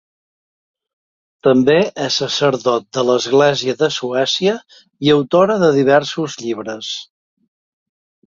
També és sacerdot de l'Església de Suècia i autora de diversos llibres.